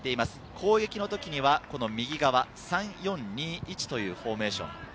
攻撃の時には右側３−４−２−１というフォーメーション。